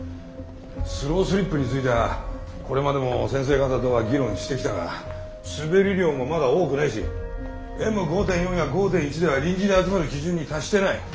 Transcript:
スロースリップについてはこれまでも先生方とは議論してきたが滑り量もまだ多くないしＭ５．４や５．１では臨時で集まる基準に達してない。